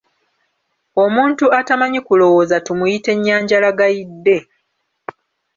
Omuntu atamanyi kulowooza tumuyite "Nnyanjalagayidde."